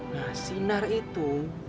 nah sinar itu